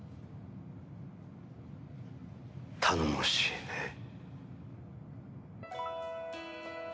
頼もしいね。